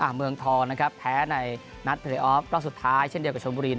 เมืองทองแพ้ในนัดพลีออฟร์สุดท้ายเช่นเดียวกับชมบุรี